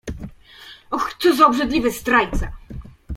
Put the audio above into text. Och, co za obrzydliwy zdrajca!